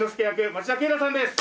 町田啓太さんです。